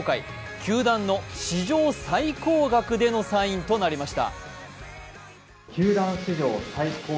球団の史上最高額での契約となりました。